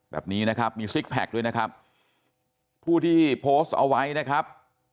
แบบนี้นะครับมีซิกแพคด้วยนะครับผู้ที่โพสต์เอาไว้นะครับ